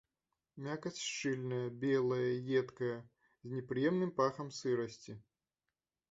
Мякаць шчыльная, белая, едкая, з непрыемным пахам сырасці.